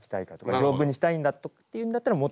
丈夫にしたいんだっていうんだったらもっと。